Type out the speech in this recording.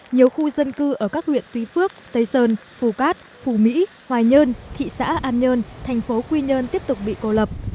nhiều khu dân cư ở các huyện tuy phước tây sơn phù cát phù mỹ hoài nhơn thị xã an nhơn thành phố quy nhơn tiếp tục bị cô lập